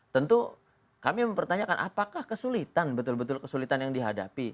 tentu kami mempertanyakan apakah kesulitan betul betul kesulitan yang dihadapi